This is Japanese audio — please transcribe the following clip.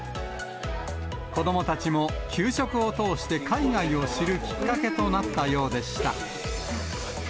子どもたちも、給食を通して海外を知るきっかけとなったようでした。